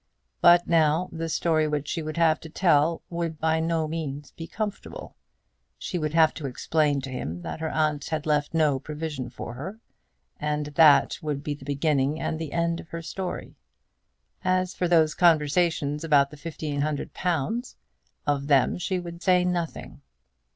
But now the story which she would have to tell would by no means be comfortable. She would have to explain to him that her aunt had left no provision for her, and that would be the beginning and the end of her story. As for those conversations about the fifteen hundred pounds, of them she would say nothing.